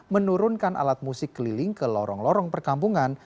menurunkan alat musik keliling ke lorong lorong perkampungan